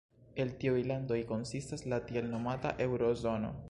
El tiuj landoj konsistas la tiel nomata "Eŭro-zono".